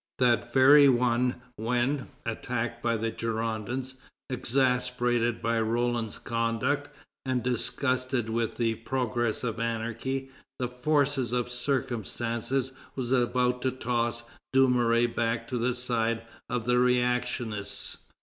That very one when, attacked by the Girondins, exasperated by Roland's conduct, and disgusted with the progress of anarchy, the force of circumstances was about to toss Dumouriez back to the side of the reactionists.